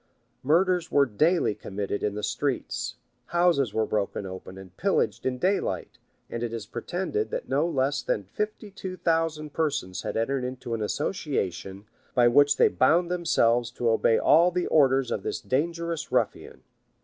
Murders were daily committed in the streets; houses were broken open and pillaged in daylight; and it is pretended, that no less than fifty two thousand persons had entered into an association, by which they bound themselves to obey all the orders of this dangerous ruffian.